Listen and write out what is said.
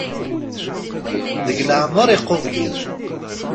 Deg leɛmer iqubel-it.